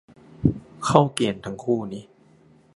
เข้าเกณฑ์ทั้งคู่นี้